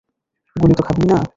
গুলি তো খাবিই না?